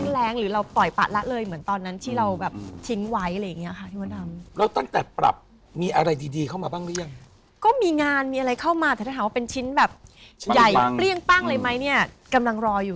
ตั้งเลยไหมเนี่ยกำลังรออยู่กำลังรออยู่